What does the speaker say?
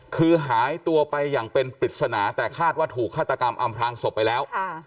คือหายตัวไปอย่างเป็นปริศนาแต่คาดว่าถูกฆาตกรรมอำพลางศพไปแล้ว